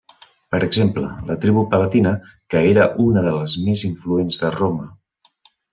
Per exemple, la tribu Palatina, que era una de les més influents de Roma.